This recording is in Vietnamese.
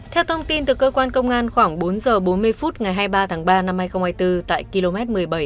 theo thông tin từ cơ quan công an khoảng bốn h bốn mươi phút ngày hai mươi ba tháng ba năm hai nghìn hai mươi bốn tại km một mươi bảy